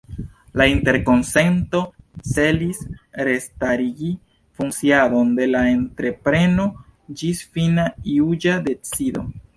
La interkonsento celis restarigi funkciadon de la entrepreno ĝis fina juĝa decido.